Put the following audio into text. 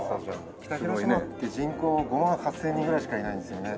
北広島って人口５万８０００人ぐらいしかいないんですよね。